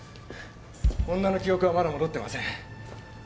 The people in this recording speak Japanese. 女の記憶はまだ戻ってません。